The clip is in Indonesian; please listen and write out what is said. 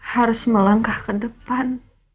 harus melangkah ke depan